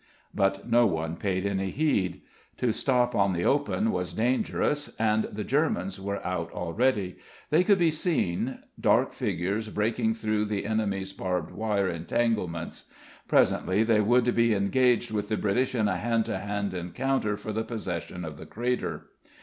But no one paid any heed. To stop on the open was dangerous, and the Germans were out already. They could be seen, dark figures breaking through the enemy's barbed wire entanglements. Presently they would be engaged with the British in a hand to hand encounter for the possession of the crater.